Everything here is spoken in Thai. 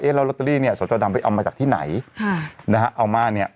แล้วลอตเตอรี่เนี่ยสจดำไปเอามาจากที่ไหนค่ะนะฮะเอามาเนี่ย